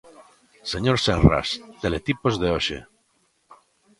Señor Senras, teletipos de hoxe.